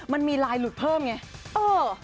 มันมีไลน์หลุดเพิ่มไงเออ